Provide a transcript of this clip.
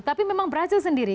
tapi memang brazil sendiri